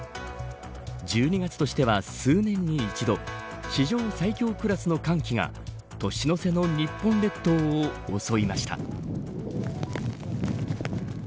１２月としては数年に一度地上最強クラスの寒気が年の瀬の日本列島を襲いました。